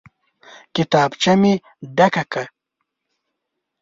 کتابچه مې ډکه کړه.